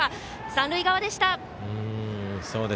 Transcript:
三塁側でした。